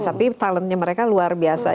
tapi talentnya mereka luar biasa